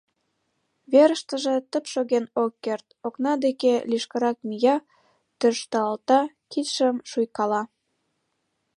Верыштыже тып шоген ок керт, окна деке лишкырак мия, тӧршталта, кидшым шуйкала.